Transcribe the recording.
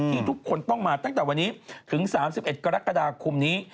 ทุกคนต้องมาตั้งแต่วันนี้ถึง๓๑กรกฎาคมนี้